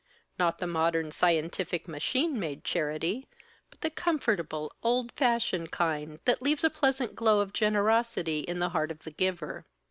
Not the modern, scientific, machine made charity, but the comfortable, old fashioned kind that leaves a pleasant glow of generosity in the heart of the giver.